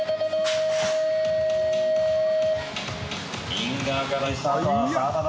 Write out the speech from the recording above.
イン側からスタートは澤田だ。